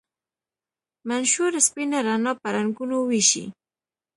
منشور سپینه رڼا په رنګونو ویشي.